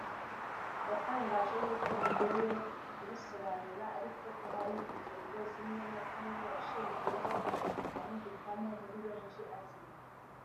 yatangaje y’uko bigoye kubisobanura ariko ko hari ingingo zimwe na zimwe yashingiyeho amuhitamo muri benshi azi